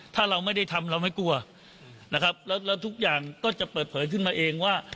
ถ้าเราไม่ได้ทำเราไม่กลัวนะครับแล้วทุกอย่างก็จะเปิดเผยขึ้นมาเองว่า